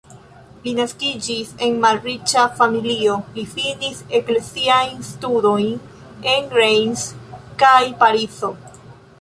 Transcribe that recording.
Li naskiĝis en malriĉa familio, li finis ekleziajn studojn en Reims kaj Parizo.